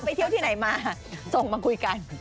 พี่บอกว่า